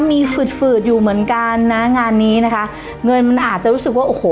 มีฝืดฝืดอยู่เหมือนกันนะงานนี้นะคะเงินมันอาจจะรู้สึกว่าโอ้โห